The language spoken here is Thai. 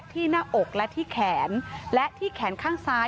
หน้าอกและที่แขนและที่แขนข้างซ้าย